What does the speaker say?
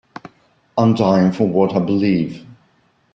I'm dying for what I believe.